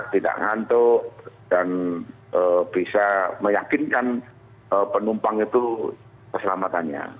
tidak ngantuk dan bisa meyakinkan penumpang itu keselamatannya